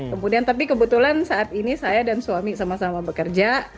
kemudian tapi kebetulan saat ini saya dan suami sama sama bekerja